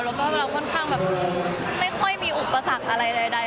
แล้วก็เราค่อนข้างแบบไม่ค่อยมีอุปสรรคอะไรใด